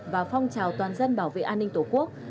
và phong trào toàn dân bảo vệ an ninh tổ quốc